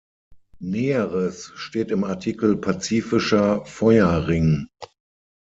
Näheres steht im Artikel Pazifischer Feuerring.